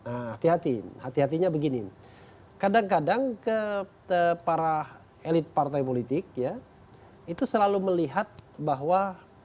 nah hati hatinya begini kadang kadang ke para elit partai politik ya itu selalu melihat bahwa